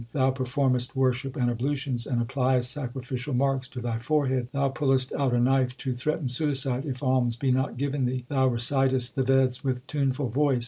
Thou performest worship and ablutions, and appliest sacrificial marks to thy forehead ; Thou pullest out a knife to threaten suicide if alms be not given thee ; Thou recitest the Veds with tuneful voice.